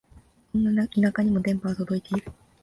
こんな田舎にも電波は届いてる